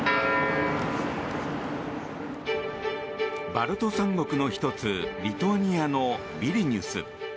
バルト三国の１つリトアニアのビリニュス。